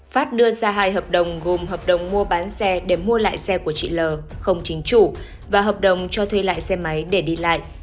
phát đưa ra hai hợp đồng gồm hợp đồng mua bán xe để mua lại xe của chị l không chính chủ và hợp đồng cho thuê lại xe máy để đi lại